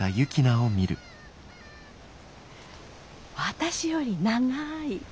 私より長い。